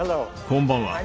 こんばんは。